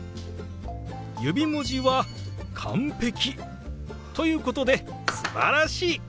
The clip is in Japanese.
指文字は完璧ということですばらしい！